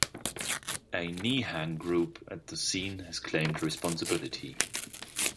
A Nihang group at the scene has claimed responsibility.